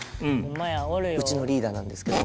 うちのリーダーなんですけど。